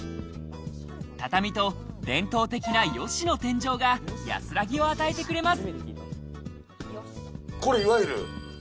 畳と伝統的な葦の天井が安らぎを与えてくれます。